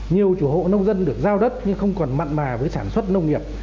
nhiều chủ hộ nông dân được giao đất nhưng không còn mặn mà với sản xuất nông nghiệp